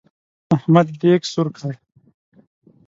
احمد دېګ سور کړ.